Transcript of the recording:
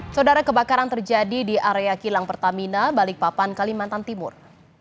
saudara kebakaran terjadi di area kilang pertamina balikpapan kalimantan timur